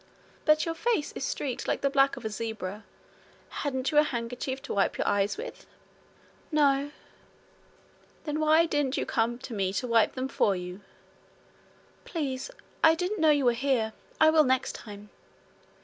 'But your face is streaked like the back of a zebra. Hadn't you a handkerchief to wipe your eyes with?' 'No.' 'Then why didn't you come to me to wipe them for you?' 'Please, I didn't know you were here. I will next time.'